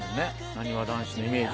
なにわ男子のイメージ。